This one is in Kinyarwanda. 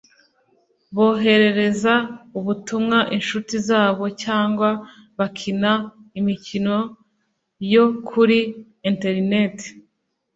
boherereza ubutumwa inshuti zabo cyangwa bakina imikino yo kuri internet